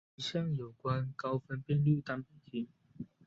一项有关高分辨率单倍型。